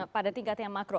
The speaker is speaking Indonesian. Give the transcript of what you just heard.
pada tingkat yang makro